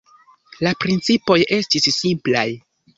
La principoj estis simplaj.